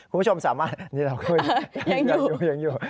ความสำคัญยังอยู่ยังอยู่